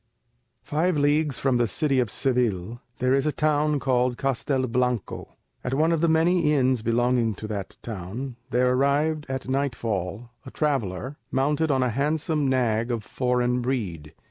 Five leagues from the city of Seville there is a town called Castelblanco. At one of the many inns belonging to that town there arrived at nightfall a traveller, mounted on a handsome nag of foreign breed.